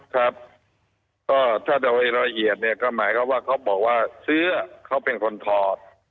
ครับก็ถ้าโดยละเอียดเนี่ยก็หมายความว่าเขาบอกว่าเสื้อเขาเป็นคนถอด